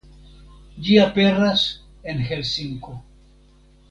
Ĝi aperas en Helsinko.